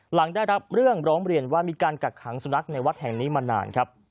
หลังได้รับเรื่องร้องเรียนว่ามีการกักขังสุนัขในวัดแห่งนี้มานานครับ